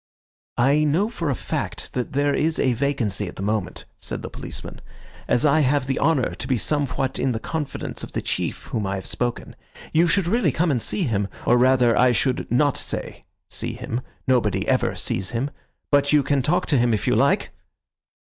"I know for a fact that there is a vacancy at the moment," said the policeman, "as I have the honour to be somewhat in the confidence of the chief of whom I have spoken. You should really come and see him. Or rather, I should not say see him, nobody ever sees him; but you can talk to him if you like."